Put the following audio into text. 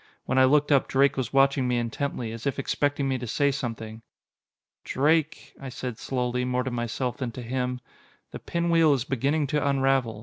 When I looked up, Drake was watching me intently, as if expecting me to say something. "Drake," I said slowly, more to myself than to him, "the pinwheel is beginning to unravel.